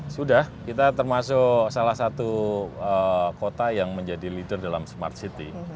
sudah kita termasuk salah satu kota yang menjadi leader dalam smart city